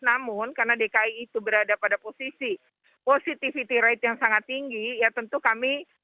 namun karena dki itu berada pada posisi positivity rate yang sangat tinggi ya tentu kami